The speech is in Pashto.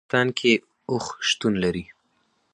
په افغانستان کې اوښ شتون لري.